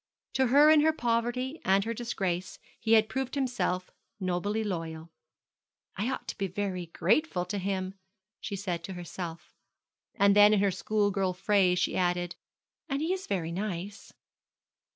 To her in her poverty and her disgrace he had proved himself nobly loyal. 'I ought to be very grateful to him,' she said to herself; and then in her schoolgirl phrase she added, 'and he is very nice.'